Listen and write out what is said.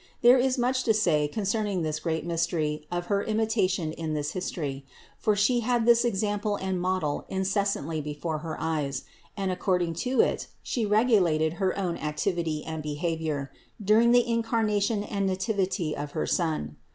There is much to say con cerning this great mystery of her imitation in this his tory; for She had this example and model incessantly before her eyes, and according to it She regulated her THE INCARNATION 491 own activity and behavior during the Incarnation and Nativity of her Son.